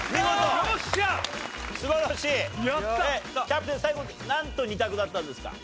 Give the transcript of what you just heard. キャプテン最後何と２択だったんですか？